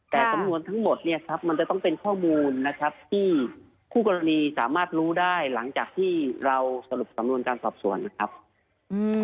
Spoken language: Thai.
แต่สำนวนทั้งหมดเนี่ยครับมันจะต้องเป็นข้อมูลนะครับที่คู่กรณีสามารถรู้ได้หลังจากที่เราสรุปสำนวนการสอบสวนนะครับอืม